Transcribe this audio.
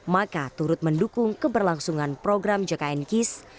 maka turut mendukung keberlangsungan program jkn kis